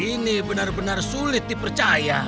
ini benar benar sulit dipercaya